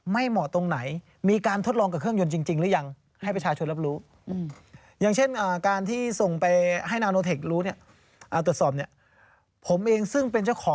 ไม่เหมาะตรงไหนมีการทดลองกับเครื่องยนต์จริงหรือยัง